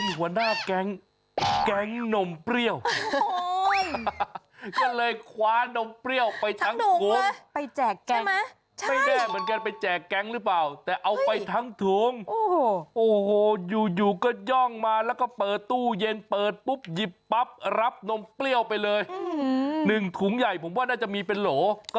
เฮ่ยลิงในคราบโจรมากกว่าค่ะ